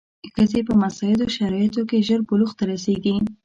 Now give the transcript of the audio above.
ښځې په مساعدو شرایطو کې ژر بلوغ ته رسېږي.